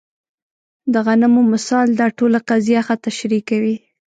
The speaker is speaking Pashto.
د غنمو مثال دا ټوله قضیه ښه تشریح کوي.